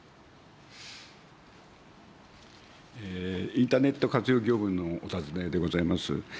インターネット活用業務のお尋ねでございます。